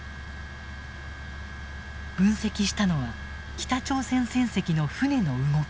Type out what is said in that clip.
分析したのは北朝鮮船籍の船の動き。